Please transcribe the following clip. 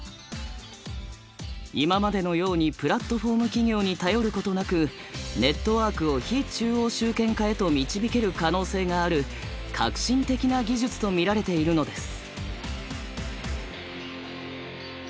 今までのようにプラットフォーム企業に頼ることなくネットワークを非中央集権化へと導ける可能性がある革新的な技術と見られているのです。